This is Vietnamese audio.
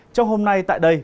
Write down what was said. trong hôm nay tại đây